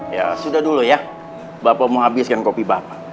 ya sudah dulu ya bapak mau habiskan kopi bapak